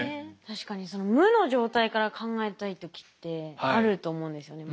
確かに無の状態から考えたい時ってあると思うんですよね。